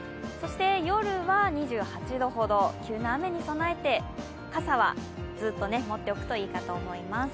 夜は２８度ほど、急な雨に備えて、傘はずっと持っておくといいと思います。